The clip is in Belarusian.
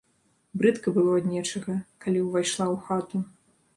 Брыдка было ад нечага, калі ўвайшла ў хату.